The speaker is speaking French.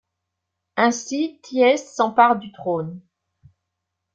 Ainsi, Thyeste s'empare du trône.